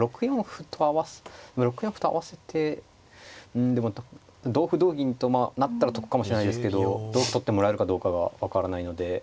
６四歩と合わせてうんでも同歩同銀となったら得かもしれないですけど同歩取ってもらえるかどうかが分からないので。